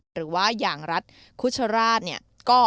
หรือว่าอย่างรัฐคุชราชเนี่ย